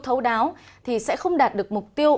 thấu đáo thì sẽ không đạt được mục tiêu